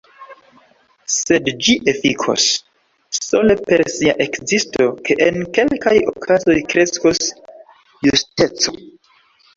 Sed ĝi efikos, sole per sia ekzisto, ke en kelkaj okazoj kreskos justeco.